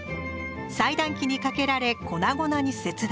裁断機にかけられ粉々に切断。